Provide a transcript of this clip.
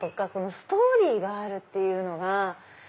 ストーリーがあるっていうのが。